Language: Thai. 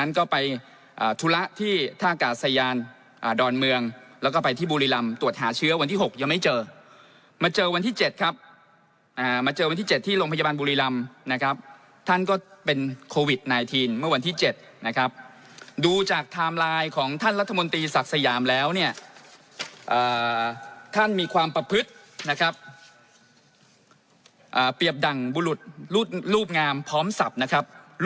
อ่าธุระที่ท่ากาศยานอ่าดอนเมืองแล้วก็ไปที่บุรีลำตรวจหาเชื้อวันที่หกยังไม่เจอมาเจอวันที่เจ็ดครับอ่ามาเจอวันที่เจ็ดที่โรงพยาบาลบุรีลำนะครับท่านก็เป็นโควิดไนทีนเมื่อวันที่เจ็ดนะครับดูจากไทม์ไลน์ของท่านรัฐมนตรีศักดิ์สยามแล้วเนี้ยอ่าท่านมีความประพฤตินะครับอ่า